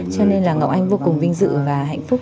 cho nên là ngọc anh vô cùng vinh dự và hạnh phúc